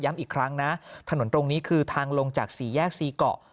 อีกครั้งนะถนนตรงนี้คือทางลงจากสี่แยก๔เกาะ